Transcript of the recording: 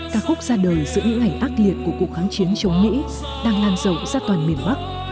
ca khúc ra đời giữa những ngày ác liệt của cuộc kháng chiến chống mỹ đang lan rộng ra toàn miền bắc